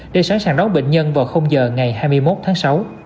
để sẵn sàng đón bệnh nhân vào giờ ngày hai mươi một tháng sáu